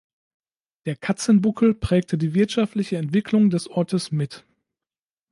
Der Katzenbuckel prägte die wirtschaftliche Entwicklung des Ortes mit.